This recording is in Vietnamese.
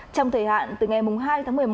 trong thời hạn từ ngày hai tháng một mươi một